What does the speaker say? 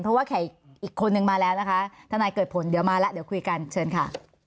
เพราะว่าอีกคนนึงมาแล้วนะคะทนายเกิดผลเดี๋ยวมาแล้วเดี๋ยวคุยกันเชิญค่ะ